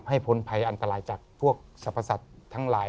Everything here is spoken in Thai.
พ้นภัยอันตรายจากพวกสรรพสัตว์ทั้งหลาย